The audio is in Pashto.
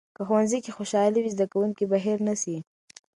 که ښوونځي کې خوشالي وي، زده کوونکي به هیر نسي.